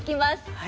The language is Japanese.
はい。